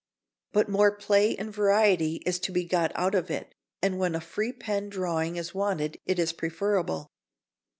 But more play and variety is to be got out of it, and when a free pen drawing is wanted it is preferable.